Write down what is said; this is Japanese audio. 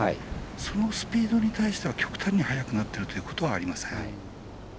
そのスピードに対しては極端に速くなっているということはありません。